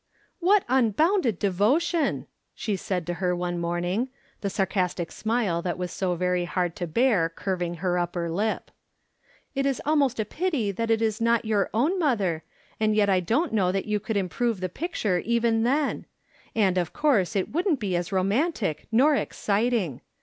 " What unbounded devotion !" she said to her one morning, the sarcastic smile that was so very hard to bear curving her upper lip. " It is al most a pity that it is not your own mother, and yet I don't know that you could improve the pic ture even then ; and of course it wouldn't be as romantic nor exciting.